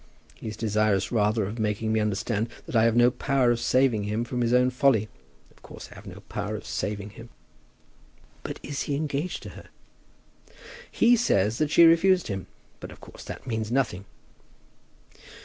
He is desirous rather of making me understand that I have no power of saving him from his own folly. Of course I have no power of saving him." "But is he engaged to her?" "He says that she has refused him. But of course that means nothing."